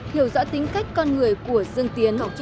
hiểu rõ tính cách con người của dương tiến